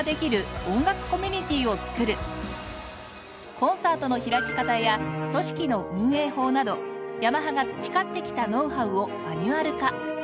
コンサートの開き方や組織の運営法などヤマハが培ってきたノウハウをマニュアル化。